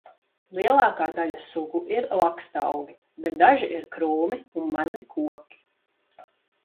Lielākā daļa sugu ir lakstaugi, bet daži ir krūmi un mazi koki.